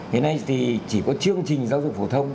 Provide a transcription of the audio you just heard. thế này thì chỉ có chương trình giáo dục phổ thông